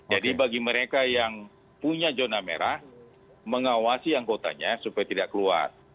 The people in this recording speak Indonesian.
jadi bagi mereka yang punya jurnal merah mengawasi anggotanya supaya tidak keluar